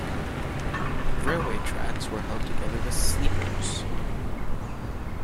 The railway tracks were held together with sleepers